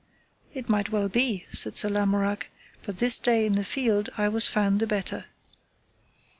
It might well be, said Sir Lamorak, but this day in the field I was found the better.